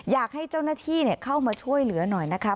อยากให้เจ้าหน้าที่เข้ามาช่วยเหลือหน่อยนะคะ